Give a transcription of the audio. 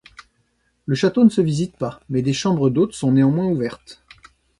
Le château ne se visite pas, mais des chambres d'hôtes sont néanmoins ouvertes.